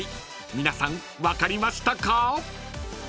［皆さん分かりましたか？］